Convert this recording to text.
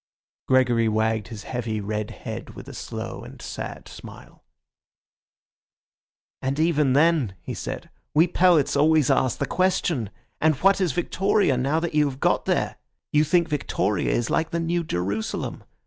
Gregory wagged his heavy, red head with a slow and sad smile. "And even then," he said, "we poets always ask the question, 'And what is Victoria now that you have got there?' You think Victoria is like the New Jerusalem.